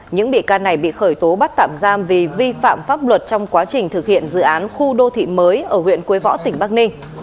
những bị can này bị khởi tố bắt tạm giam vì vi phạm pháp luật trong quá trình thực hiện dự án khu đô thị mới ở huyện quế võ tỉnh bắc ninh